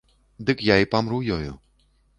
Дык я і памру ёю.